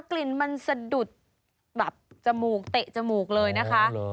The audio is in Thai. กลิ่นมันสะดุดแบบจมูกเตะจมูกเลยนะคะ